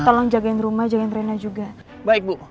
tolong jagain rumah jagain rena juga baik bu